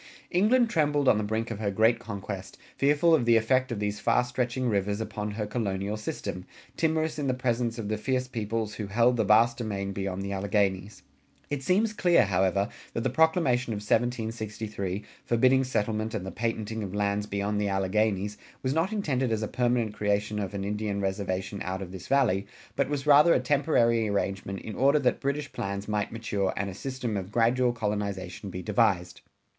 England trembled on the brink of her great conquest, fearful of the effect of these far stretching rivers upon her colonial system, timorous in the presence of the fierce peoples who held the vast domain beyond the Alleghanies. It seems clear, however, that the Proclamation of 1763, forbidding settlement and the patenting of lands beyond the Alleghanies, was not intended as a permanent creation of an Indian reservation out of this Valley, but was rather a temporary arrangement in order that British plans might mature and a system of gradual colonization be devised.